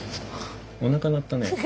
おなか鳴ったね。